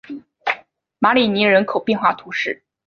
马里尼人口变化图示